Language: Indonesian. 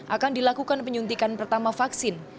akan dilakukan penyuntikan pertama vaksin